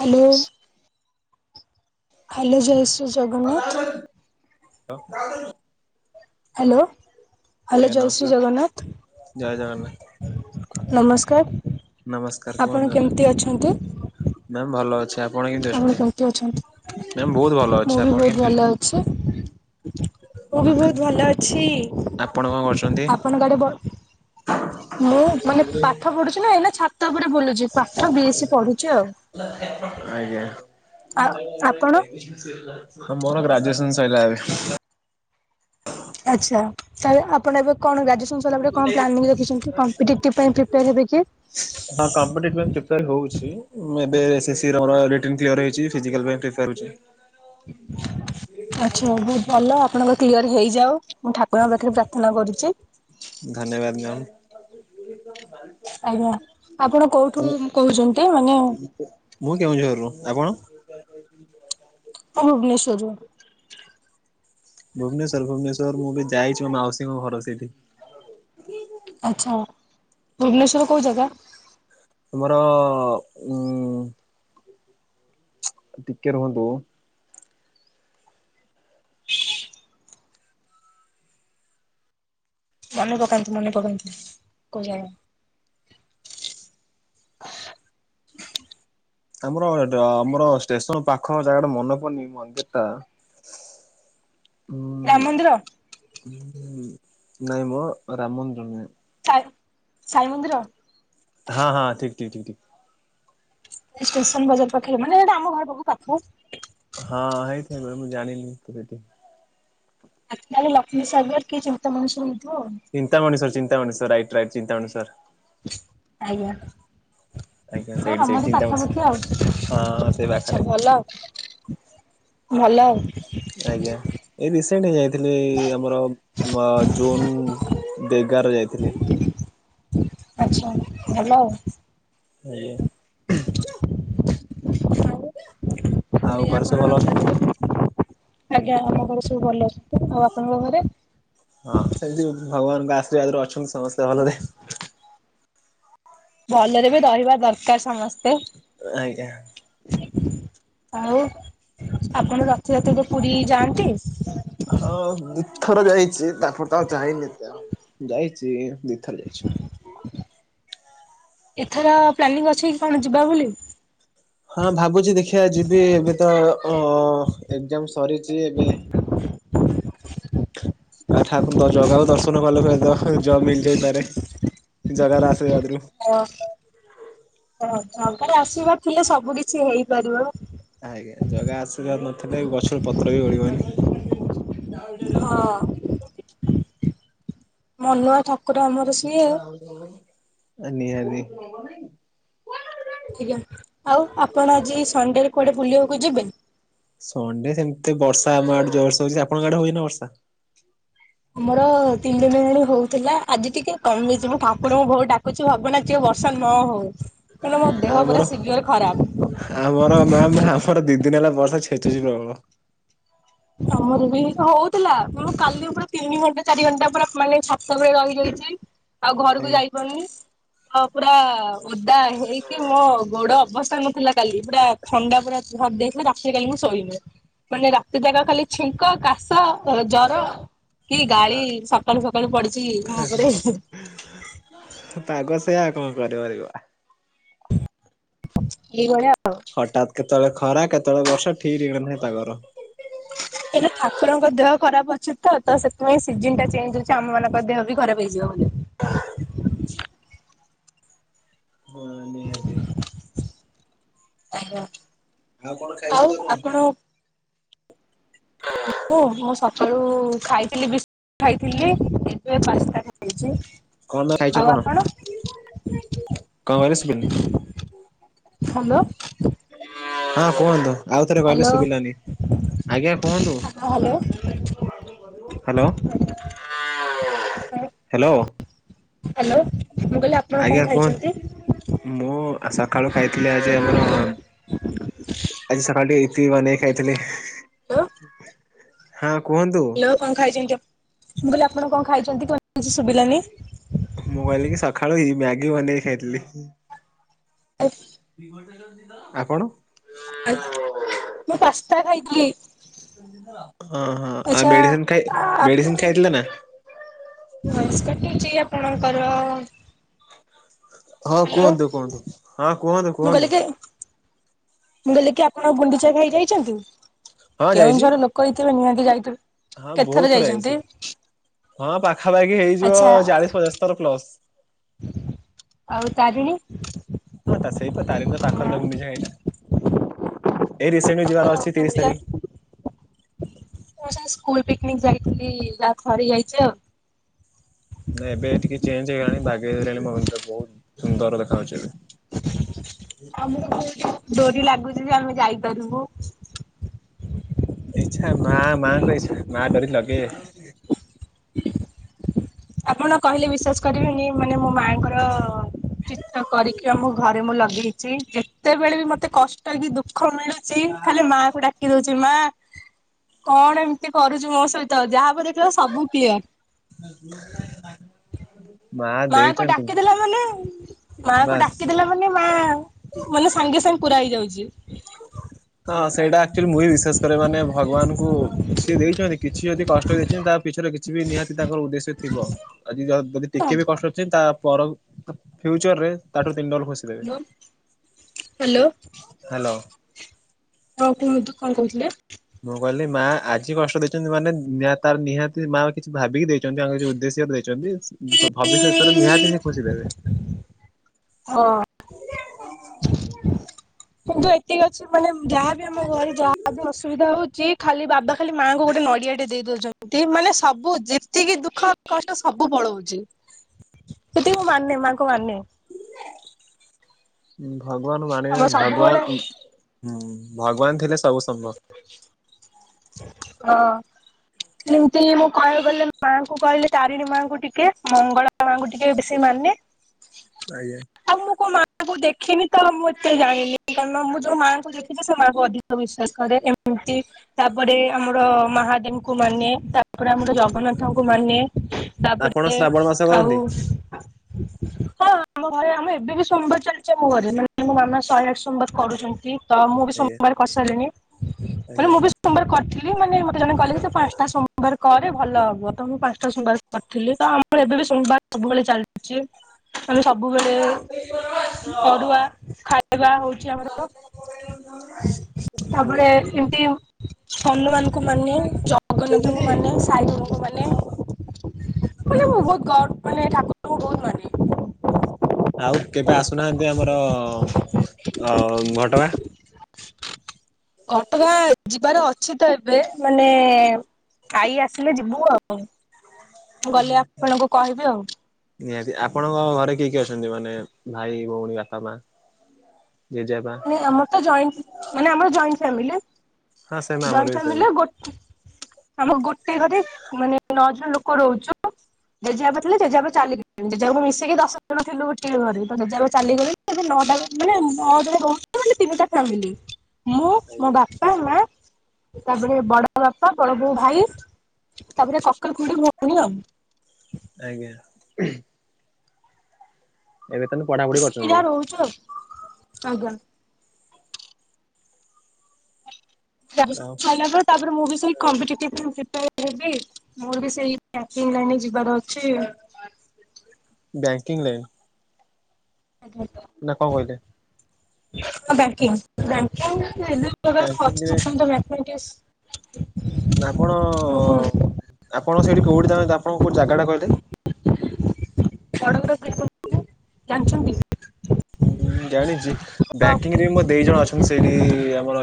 Hello. Hello ଜୟ ସ୍ ତ ହ୍ୟାଲୋ ହ୍ୟାଲୋ ଆଜ୍ଞା ଜୟ ଶ୍ରୀ ନମସ୍କାର ଜଗନ୍ନାଥ। ନମସ୍କାର ନମସ୍କାର ଆପଣ କେମିତି ଅଛନ୍ତି। ମ୍ୟାମ ଭଲ ଅଛି ଆପ୍ ଆପଣ କେମିତି ଅଛନ୍ତି? ବହୁତ ଭଲ ଅଛି ମୁଁ ବି ଆପଣ ବହୁତ କେମିତି ଭଲ ଅଛନ୍ତି? ଅଛି। ମୁଁ ବି ଆଉ ମ୍ୟାମ୍ ବହୁତ ଭଲ ଅଛି। ଆପଣ କଣ କରୁଛନ୍ତି? ଆପଣ ଆଡେ ବ ମୁଁ ମାନେ ପାଠ ପଢୁଚି। ଇଲୋ ଏଇନା ଛାତ ଉପରେ ବୁଲୁଚି ପାଠ ବି ଏସ୍ ସି ପଢୁଛି ଆଉ। ଆଜ୍ଞା। ଆଉ ଆପଣ ହଁ ମୋର ଗ୍ରାଜୁଏସନ ସଇଲା ଏବେ। ଆଛା ତାହେଲେ ଆପଣ ଏବେ କଣ ଗ୍ରାଜୁସନ ସଇଲା ପରେ କଣ ପ୍ଲାନିଙ୍ଗ ରଖିଛନ୍ତି କମ୍ପିଟିଟିଭ ପାଇଁ ପ୍ରିପାର ହେବେ କି? ପ୍ୟାର୍ ହଉଚି ମୁଁ ଏବେ ସି ସିରମର ରିଟିନ କ୍ଲିୟର ହେଇଚି ଫିଜିକାଲ୍ ପାଇଁ ପ୍ରିପାର ହଉଚି। ଆଛା ବହୁତ ଭଲ ଆପଣଙ୍କ କ୍ଲିଅର ହେଇଯାଉ। ମୁଁ ଠାକୁରଙ୍କ ପାଖରେ ପ୍ରାର୍ଥନା କରୁଚି ଧନ୍ୟବାଦ ମ୍ୟାମ। ଆଜ୍ଞା ଆପଣ କୋଉଠୁ କହୁଛନ୍ତି ମାନେ ମୁଁ କେଉଁଝରରୁ ଆପଣ? ମୁଁ ଭୁବନେଶ୍ୱର ରୁ। ଭୁବନେଶ୍ୱର ଭୁବନେଶ୍ୱର ମୁଁ ବି ଯାଇଛି ମୋ ମାଉସୀଙ୍କ ଘର ସେଇଠି। ଆଚ୍ଛା ଭୁବନେଶ୍ୱର ର କୋଉ ଜାଗା? ତୁମର ଉଁ ଟିକେ ରହନ୍ତୁ। ମନେ ପକାନ୍ତୁ ମନେ ପକାନ୍ତୁ କୋଉ ଜାଗା? ଆମର ର ଆମର ଷ୍ଟେସନ ପାଖ ଜାଗା ଟା ମନେ ପଡୁନି ମନ୍ଦିର ଟା ଦାମ ଉଁ ମନ୍ଦିର? ନାଇଁ ମୋ ରାମ ମନ୍ଦିର ନୁହେଁ। ସାଇ ସାଇ ମନ୍ଦିର? ହଁ ହଁ ଠିକ ଠିକ୍ ଠିକ୍ ଠିକ୍। ଏ ଷ୍ଟେସନ ବଜାର ପାଖରେ ମାନେ ଏଇଟା ଆମ ଘର ପାଖକୁ ପାଖ। ହଁ ହେଇଥାଇ ପରେ ମୁଁ ଜାଣିନି ତୁ କେଟି। ଆଜି କାଲି ଲକ୍ଷ୍ମୀ ସାଗର କି ଚିନ୍ତା ମଣିଷ ହେଇଥିବ ଆଉ। Chintamani sir Chintamani sir right right Chintamani sir. ଆଜ୍ଞା। ଆଜ୍ଞା ହଁ ସେଇଠି ସେଇଠି ଆମର ଚିନ୍ତାମଣି ସର। ପାଖାପାଖି ହଁ ସେଇ ଆଉ ପାଖରେ ଆଛା ଭଲ ଭଲ। ଆଜ୍ଞା ଏଇ ରିସେଣ୍ଟ ହେଇଂ ଥିଲି ଆମର ମ ଜୁନ ଦେଗାର ଯାଇଥିଲି। ଆଛା ଭଲ ଆଉ। ଆୟା। ଆଉ ମାନେ ଆଉ ଗରେ ଆପଣ ସବୁ ଭଲ ଅଛନ୍ତି ତ? ରଥଯାତ୍ରା ଆଜ୍ଞା ଆମ ଘରେ ସବୁ ଭଲ ଅଛନ୍ତି ଆଉ ଆପଣଙ୍କ ଘରେ? ହଁ ସେମତି ଭଗବାନଙ୍କ ଆଶୀର୍ବାଦରେ ଅଛନ୍ତି ସମସ୍ତେ ଭଲରେ। ଭଲରେ ବି ରହିବା ଦରକାର ସମସ୍ତେ। ଆଜ୍ଞା। ଆଉ ଆପଣ ରଥଯାତ୍ରାରେ ପୁରୀ ଯାଆନ୍ତି? ହଁ ଦୁଥର ଯାଇଛି ତାପରେ ତ ଆଉ ଯାଇନି ଏତେ ଆଉ ଯାଇଛି ଦି ଏଥର ପ୍ଲାନିଂ ଅଛି କି କଣ ଯିବା ବୋଲି? ହଁ ଭାବୁଛି ଦେଖିବା ଯିବି ଏବେ ତ ଅ ଏକଜାମ୍ ସରିଛି ଏବେ। ଆ ଠାକୁର ତ ଜଗାକୁ ଦର୍ଶନ କଲେ ହୁଏ ତ ଜବ ମିଳିଯାଇପାରେ ଜଗାର ଆଶୀର୍ବାଦରୁ। ଓ ଓ ଜଗାର ଆଶୀର୍ବାଦ ଥିଲେ ସବୁ କିଛି ହେଇପାରିବ। ଆଜ୍ଞା ଜଗା ଆଶିର୍ବାଦ ନଥିଲେ ଗଛରୁ ପତ୍ର ବି ଓଳିବନି। ହଁ ମନୁଆ ଠା ନିହାତି ଥିଲା ଆଉ ଆପଣ ଆଜିଏଇ ସଣ୍ଡେରେ କୁଆଡେ ବୁଲିବାକୁ ଯିବେ? ସଣ୍ଡେ ସେମିତି ବର୍ଷା ଆମ ଆଡ଼େ ଜୋର୍ ସେ ହୋଉଛି ଆପଣଙ୍କ ଆଡେ ହଉନି ନା ବର୍ଷା? ଆମର ତିନି ଦିନ ହେଲେ ହଉଥିଲା ଆଜି ଟିକେ କମିଛି ମ ଠାକୁରଙ୍କୁ ବହୁତ ଡାକୁଛିି ଚ ଭାବନା ଜି ଆଉ ବର୍ଷା ନ ହଉ କାରଣ ମୋ ଦେହ ଆମର ପୁରା ସିଭିଅର ଖରାପ। ଆମର ମ୍ୟାମ ଆମର ଦି ଦିନ ହେଲା ବର୍ଷା ଛେଚୁଛି ପ୍ରବଳ। ଆମର ବି ହଉଥିଲା ମୁଁ କାଲି ପୁଣି ତିନି ଘଣ୍ଟା ଚାରି ଘଣ୍ଟା ପୁରା ମାନେ ଛାତ ଉପରେ ରହିଗଲି ଯେ ଆଉ ଘରକୁ ଯାଇପାରୁନି ମୁଁ ପୁରା ଓଦା ହେଇକି ମୋ ଗୋଡ ଅବସ୍ଥା ନଥିଲା କାଲି ପୁରା ଥଣ୍ଡା ପୁରା ଧର ଦେଇଥିଲା ରାତିରେ କାଲି ମୁଁ ଶୋଇନି ମାନେ ରାତି ସାରା ଖାଲି ଛିଙ୍କ କାଶ ଜର କି ଗାଳି ଆଜ୍ଞା ସକାଳୁ ସକାଳୁ ପଡିଛି ମୋ ଉପରେ ପାଗ ସେଇଆ କଣ କରିପାରିବ। ଏଇ ଭଳିଆ ଆଉ। ହଠାତ୍ କେତେବେଳେ ଖରା କେତେବେଳେ ବର୍ଷା ଠିକ ଠିକଣା ନାହିଁ ତାଙ୍କର। ହେଲେ ଠାକୁରଙ୍କ ଦେହ ଖରାପ ଅଛି ତ ତ ସେଥିପାଇଁ ସିଜନ ଟା ଚେଞ୍ଜ ହଉଛି ଆମ ମାନଙ୍କ ଦେହ ବି ଖରାପ ହେଇଯିବ ବୋଲି। ହଁ ନିହାତି। ଆଜ୍ଞା। ଆଉ କଣ ଖାଇଛନ୍ତି ଆପଣ? ହଁ [unintelligible] ମୁଁ ମୁଁ ସକାଳୁ ଖାଇଥିଲି ବିସ୍କି ଖାଇଥିଲି ଏବେ ପାସ୍ତା ଖାଇଛି। କଣଟା ଖାଇଛ ଆଉ କଣ ଆପଣ କଣ କହିଲ ଶିବୁନି? ହାଲୋ। ହଁ କୁହନ୍ତୁ ଆଉ ଥରେ କହିଲେ ହ୍ୟାଲୋ ଶୁଭିଲାନି ଆଜ୍ଞା କୁହନ୍ତୁ? Hello hello hello. ହ୍ୟାଲୋ। ମୁଁ କହିଲି ଆପଣ କଣ ଆଜ୍ଞା ଖାଇଛନ୍ତି? କୁହନ୍ତୁ ମୁଁ ଆ ସକାଳୁ ଖାଇଥିଲି ଆଜି ଆଜି ସକାଳୁ ଟିକେ ଇପି ବନେଇ ଖାଇଥିଲି। ହ୍ୟାଲୋ ହଁ କୁହନ୍ତୁ? ହ୍ୟାଲୋ କଣ ଖାଇଛନ୍ତି ମୁଁ କହିଲି ଆପଣ କଣ ଖାଇଛନ୍ତି କି କିଛି ଶୁଭିଲାନି? ମୁଁ କହିଲି କି ସକାଳୁ ଇ ମ୍ୟାଗି ବନେଇକି ଖାଇଥିଲି। ଆଜ୍ [inaudible] ଆପଣ? [inaudible] ମୁଁ ପାସ୍ତା ଖାଇଥିଲି। ହଁ ହଁ ଆଉ ଆଚ୍ଛା ମେଡିସିନ ଖାଇ ମେଡିସିନ ଖାଇଥିଲେ ନା? ଭଏସେ କାଟିଚି ଆପଣଙ୍କର? ହଁ ହ୍ୟାଲୋ କୁହନ୍ତୁ କୁହନ୍ତୁ ହଁ କୁହନ୍ତୁ ମୁଁ କହିଲି କୁହନ୍ତୁ? କି ମୁଁ କହିଲି କି ଆପଣ ଗୁଣ୍ଡିଚାଘାଇ ଯାଇଛନ୍ତି? ହଁ ଯାଇଛି। କେଉଁଝରେ ଲୋକ ହେଇଥିବେ ନିହାତି ଯାଇଥି ହଁ ବହୁତ ଥର ଯାଇଛି ହଁ ପାଖାପାଖି ହେଇଯିବ ଆଚ୍ଛା ଚାଳିଶ ପଚାଶ ଥର ପ୍ଲସ। ଆଉ ତାରିଣୀ? ହଁତ ସେଇତ ତାରିଣୀ ର ପାଖରେ ତାକୁ ମିିସା ହୋଇନି। ଏଇ ରିସେଣ୍ଟ ଯିବାର ଅଛି ତିରିଶ ତାରିଖ। ମୁଁ ସାର୍ ସ୍କୁଲ ପିକ୍ ନିକ୍ ଯାଇଥିଲି ଯା ଥରେ ଯାଇଛି ଆଉ ନାଇଁ ଏବେ ଟିକେ ଚେଞ୍ଜ ହେଇଗଲାଣି ବାଗେଇ ଗଲାଣି ଭବେନଶ୍ୱର ବୋହୁତ୍ ସୁନ୍ଦର ଦେଖା ଯାଉଛି ଏବେ। ଆମୁକୁ କୋଉ ଡୋରି ଲାଗୁଚି ଯେ ଆମେ ଯାଇପାରିବୁ। ଇଛା ନା ନା କହି ସିଏ ମା ଡୋରି ଲଗେଇବେ। ଆପଣ କହିଲେ ବିଶ୍ୱାସ କରିବେନି ମାନେ ମୋ ମାଆଙ୍କର ଚିତ୍ର କରିକି ଆମ ଘରେ ମୁଁ ଲଗେଇଛି ଯେତେବେଳେ ବି ମତେ କଷ୍ଟ କି ଦୁଃଖ ମିଳୁ ଚି ଖାଲି ମାଆଙ୍କୁ ଡାକ୍ କି ଦଉଚି ମା କଣ ଏମତି କରୁଛୁ ମୋ ସହିତ ଯାହାହବ ଦେଖିବ ସବୁ କ୍ଲିୟର। [inaudible] ମାଆଙ୍କୁ ଦେଇଛନ୍ତି ଡାକିଦେଲା ମାନେ ମା ଙ୍କୁ ବାସ୍। ଡାକିଦେଲା ମାନେ ମାଆ ମାନେ ସାଙ୍ଗେ ସାଙ୍ଗେ ପୁରା ହେଇଯାଉଛି। ହଁ ସେଇଟା ଆକଚୁଲି ମୁଁ ବି ବିଶ୍ୱାସ କରେ ମାନେ ଭଗବାନଙ୍କୁ। ସିଏ ଦେଇଚନ୍ତି କିଛି ଯଦି କଷ୍ଟ ଦେଇଚନ୍ତି ତା କିଛି ନା କିଛି ବି ନିହାତି ତାଙ୍କର ଉଦ୍ଦେଶ୍ୟ ଥିବ ଆଜି ଯ ଯଦି ଟିକେ ବି କ [inaudible] ତା ପର ଫିୟୁଚରରେ ତାଠୁ ତିନଡବଲ ଖୁସି। ଦେବେ। ମମ୍ ହାଲୋ। ହ୍ୟାଲୋ। ହଁ କୁହନ୍ତୁ କଁ କହୁଥିଲେ? ମୁଁ କହିଲି ମା ଆଜି କଷ୍ଟ ଦେଇଚନ୍ତି ମାନେ ନିହାତି ତାର ନିହାତି ମା କିଛି ଭାବିକି ଦେଇଚନ୍ତି ଆ କିଛି ଉଦ୍ଦେଶ୍ୟରେ ଦେଇଚନ୍ତି। ଭବିଷ୍ୟତରେ ନିହାତି ସେ ଖୁସି ଦେବେ। ହଁଅଁ କିନ୍ତୁ ଏଇ ଠିକ୍ ଅଛି ମାନେ ଯାହାବି ଆମ ଘରେ ଯାହାବି ଅସୁବିଧା ହଉଛି ଖାଲି ବାବା ଖାଲି ମାଆଙ୍କୁ ଗୋଟେ ନଡିଆ ଟେ ଦେଇ ଦଉଚ ନ୍ତି, ମାନେ ସବୁ ଯେତିକି ଦୁଃଖ କଷ୍ଟ ସବୁ ପଳଉଛି। ସେତିକି ମୁଁ ମାନେ ମା ଙ୍କୁ ମାନେ। ଭଗବାନ୍ ମାନେ ଆମର ଭଗବାନ୍ ସବୁବେଳେ ଉଁ ଭଗବାନ୍ ଥିଲେ ସବୁ ହବ। ହଁଅଁ। ଏମତି ମୁଁ କହିଆକୁ ଗଲେ ମାଙ୍କୁ କହିଲେ ତାରିଣୀ ମାଙ୍କୁ ଟିକେ ମଙ୍ଗଳ ଳା ମାଙ୍କୁ ଟିକେ ବେଶି ମାନେ। ଆଜ୍ଞା। ଆଉ ମୁଁ କୋଉ ମାଆଙ୍କୁ ଦେଖିନି ତ ମୁଁ ଏତେ ଜାଣିନି କାରନ ମୁଁ ଯୋଉ ମାଆଙ୍କୁ ଦେଖଚି ସେ ମାଆଙ୍କୁ ଅଧି କ ବିଶ୍ୱାସ କରେ। ଏମତି ତାପରେ ଆମର ମାହାଦେବଙ୍କୁ ମାନେ ତାପରେ ଆମର ଜଗନ୍ନାଥଙ୍କୁ ମାନେ। ଆପଣ ତାପରେ ଶ୍ରାବଣ ମାସ କରନ୍ତି? ଆଉ ହଁ ଆମ ଘରେ ଆମେ ଏବେ ବି ସୋମବାର ଚାଲଚି ଆମ ଘରେ ମାନେ ମୋ ମାମା ଶହେ ଆଠ ସୋମବାର କରୁଛନ୍ତି। ତ ମୁଁ ବି ଆଜ୍ଞା ସୋମବାର କରିସାରିଲିନି ମାନେ ଆଜ୍ଞା ମୁଁ ବି ସୋମବାର କରିଥିଲି ମାନେ ମତେ ଜଣେ କଇଲେ ଯେ ସେ ପାଁସଟା ସୋମବାର କରେ ଭଲ ହବ, ତ ମୁଁ ପାଁସଟା ସୋମବାର କରଥିଲିତ ଆମ ଘରେ ଏବେବି ସୋମବାର ସବୁବେଳେ ଚାଲଚି। ମାନେ ସବୁବେଳେ ଅରୁୁଆ ଖାଇବା ହଉଛି ଆମର। ତାପରେ ଏମତି ହନୁମାନଙ୍କୁ ମାନେ, ଜଗନ୍ନାଥଙ୍କୁ ମାନେ ସାଇବାବାଙ୍କୁ ମାନେ। ମାନେ ମୁଁ ବହୁତ୍ ଗଡ୍ ମାନେ ଠାକୁରଙ୍କୁ ବହୁତ୍ ମାନେ। ଆଉ କେବେ ଆସୁନାହାନ୍ତି ଆମର ଅ ଘଟଗାଁ? ଘଟଗାଁ ଯିବାର ଅଛି ତ ଏବେ। ମାନେ ଆଇ ଆସିଲେ ଯିବୁ ଆଉ। ଗଲେ ହ ଆପଣଙ୍କୁ କହିବି ଆଉ [inaudible] ନିହାତି ଆପଣଙ୍କ ଘରେ କିଏ କିଏ ଅଛନ୍ତି ମାନେ ଭାଇ ଭଉଣୀ ବାପା ମା। ଯଏ ଯାବା। ମାନେ ଆମର ତ ଜଏଣ୍ଟ ମାନେ ଆମର ଫାମିଲୀ ହଁ ସେମ୍ ଆମର ଜଏଣ୍ଟ ବି ସେମ୍ ଫାମିଲୀ ଗୋଟେ। ଆମ ଗୋଟେ ଘରେ ମାନେ ନଅ ଜଣ ଲୋକ ରହୁଛୁ। ଜେଜେ ବାପା ଥିଲେ ଜେଜେ ବାପା ଚାଲିଗଲେଣି ଜେଜେ ବାପାକୁ ମିଶିକି ଦଶ ଜଣ ଥିଲୁ ଗୋଟିଏ ଘରେ ତ ଜେଜେ ବାପା ଚାଲିଗଲେନି। ସେ ନଅଟା ମାନେ ନ [inaudible] ତିନିଟା ଫାମିଲି ମୁଁ ମୋ ଆଜ୍ଞା। ବାପା ମା। ତାପରେ ବଡ ବାପା ବଡ ବୋଉ ଭାଇ ତାପରେ କକା ଖୁଡ଼ି ଭଉଣୀ ଆଉ। ଆଜ୍ଞା। ଏବେ ତେୁ ପଢା [inaudible] ଅସବିଧା ରହୁଛୁ ଆଜ୍ଞା [inaudible] ଆଉ ତାପରେ ମୁଁ ବି ସେଇ କମ୍ପେତିଭିବ [inaudible] ମୋର ବି ସେଇି ବ୍ୟାଙ୍କିଙ୍ଗ ଲାଇନ ରେ ଯିବାର ଅଛି। Banking line. ଆଜ [inaudible] ନା କଣ କହିଲେ। ବ୍ୟାଙ୍କିଙ୍ଗ ବ୍ୟାି୍ୟାମିକ ବ୍ୟାଙ୍କିଙ୍ଗରେ [inaudible] ଆପଣ ଆପଣ ସେଇଠି କୋଉଠି ତାେ ଆପଣ କୋଉ ଜାଗା ଟା କହିଲେ। ଫଡଗ୍ରାଫ ଚାାଛନ୍ତି [inaudible] ହୁଁ ଜାଣିଛି ତ ବ୍ୟାଙ୍କିଙ୍ଗ ରେ ମୋ ଦି ଜଣ। ସେଠି ଆମର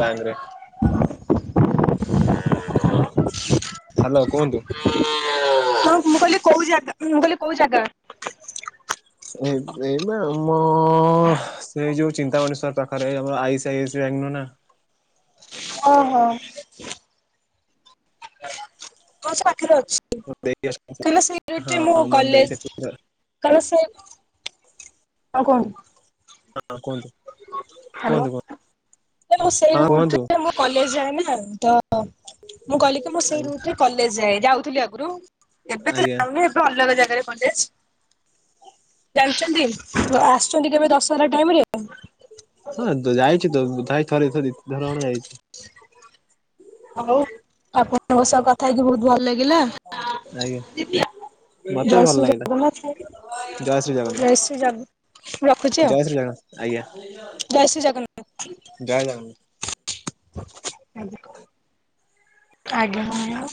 ବ୍ୟାଙ୍କ ରେ। ହ୍ୟାଲୋ କୁହନ୍ତୁ। ହଁ ମୁଁ କହିଲି କୋଉ ଜାଗା ମୁଁ କହିଲି କୋଉ ଜାଗା। ଏ ଏଇବା ଆମ। ସେଇ ଯୋଉ ଚିନ୍ତାମନେଶ୍ୱର ପାଖରେ ଏଇ ଆଇ ସି ଆଇ ବ୍ୟାଙ୍କ୍ ନୁହ ନା। ଓହୋ। ହଁ ସେ ପାଖରେ ଅଛି। ମୋ ଦେଇ ଅଛନ୍ତି କଣ ସେ ଟେ ମୁଁ ହଁ ମୋ ଦେଇ ସେଠି କଲେଜ କଣସ [inaudible] ହଁ କୁହନ୍ତୁ। ହଁ କୁହନ୍ତୁ। କୁହନ୍ତୁ କୁହନ୍ତୁ ହେଲୋ ସେଇ ହଁ ଋଟ କୁହନ୍ତୁ ରେ ମୋ। କଲେଜ ଯାଏ ନା ତ ମୁଁ କହିଲି କି ମୁଁ ସେଇ ରୁଟରେ କଲେଜ ଯାଏ ଯାଉଥିଲି ଆଗରୁ। ଏବେ ତ ଆଜ୍ଞା ଯାଉନି ଏବେ ଅଲଗା ଜାଗାରେ କଲେଜ। ଜାଣିଛନ୍ତି ଆସୁଛନ୍ତି କେବେ ଦଶହରା ଟାଇମରେ। ହଁ ଯାଇଛି ତ ଧଥାଇ ଥରେ ଥ ଧର ହଣ ଯାଇଛି [inaudible] ହଉ ଆପଣଙ୍କ ସହ କଥା ହେଇକି ବହୁତ ଭଲ ଲାଗିଲା। ଆଜ୍ଞା। ମତେ ବି ଜୟ ଭଲ ଶ୍ରୀ ଲାଗିଲା ଜଗନ୍ନାଥ ଶ୍ରୀ ଜଗନ୍ନାଥ ଜୟ ଶ୍ରୀ ଜଗନ୍ନାଥ। ଜୟ ଶ୍ରୀ ଜଗନ୍ନାଥ ଆଜ୍ଞା ଜୟ ଜଗନ୍ନାଥ। ଆଜ କ [inaudible] ଆଜ୍ଞା ହୁ